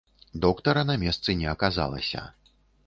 Доктара на месцы не аказалася.